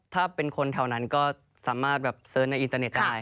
ถ้าเป็นคนแถวนั้นก็สามารถแบบเสิร์ชในอินเตอร์เน็ตได้